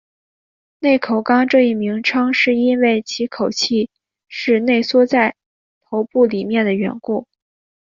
内口纲这一名称是因为其口器是内缩在头部里面的缘故。